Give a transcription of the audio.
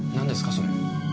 それ。